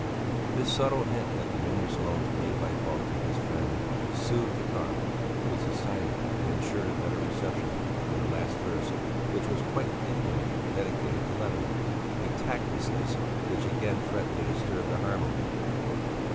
This subtle hint at the numerous loans made by Falk to his friend, soothed the cough; it subsided and ensured a better reception to the last verse which was quite impudently dedicated to Levin, a tactlessness which again threatened to disturb the harmony.